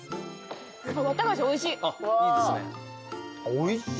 おいしい。